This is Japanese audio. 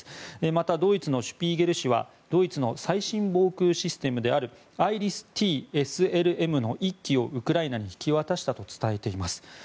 また、ドイツの「シュピーゲル」誌はドイツの最新防空システムであるＩＲＩＳ−ＴＳＬＭの１基をウクライナに引き渡したと伝えています。